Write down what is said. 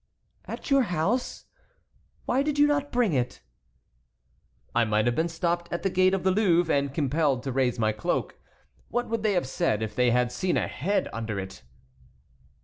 "At your house? Why did you not bring it?" "I might have been stopped at the gate of the Louvre, and compelled to raise my cloak. What would they have said if they had seen a head under it?"